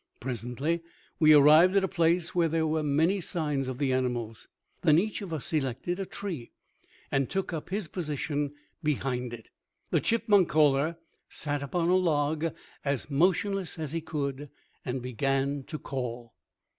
Presently we arrived at a place where there were many signs of the animals. Then each of us selected a tree and took up his position behind it. The chipmunk caller sat upon a log as motionless as he could, and began to call.